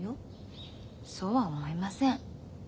そうは思いません。